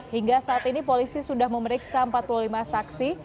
hingga saat ini polisi sudah memeriksa empat puluh lima saksi